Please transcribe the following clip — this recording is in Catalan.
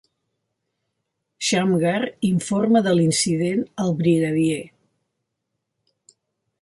Shamgar informa de l'incident al brigadier.